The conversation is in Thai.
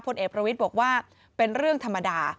เอกประวิทย์บอกว่าเป็นเรื่องธรรมดา